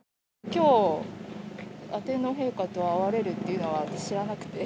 きょう、天皇陛下と会われるっていうのは知らなくて。